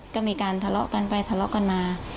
ก็มีการทะเลาะกันไปทะเลาะกันมา